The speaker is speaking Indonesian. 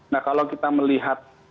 nah kalau kita melihat